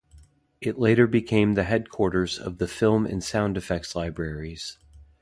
It later became the headquarters of the film and sound-effect libraries.